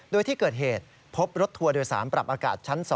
โดยที่เกิดเหตุพบรถทัวร์โดยสารปรับอากาศชั้น๒